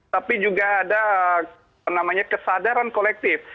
tapi juga ada apa namanya kesadaran kolektif